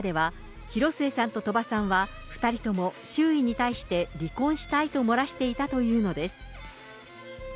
記事の中では、広末さんと鳥羽さんは、２人とも周囲に対して離婚したいと漏らしていたというのです。